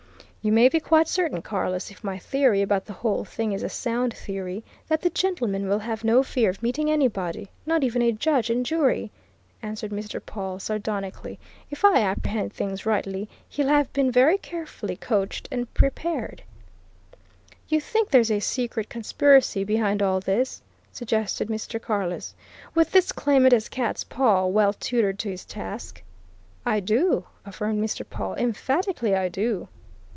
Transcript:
"You may be quite certain, Carless, if my theory about the whole thing is a sound theory, that the gentleman will have no fear of meeting anybody, not even a judge and jury!" answered Mr. Pawle sardonically. "If I apprehend things rightly, he'll have been very carefully coached and prepared." "You think there's a secret conspiracy behind all this?" suggested Mr. Carless. "With this claimant as cat's paw well tutored to his task?" "I do!" affirmed Mr. Pawle. "Emphatically, I do!"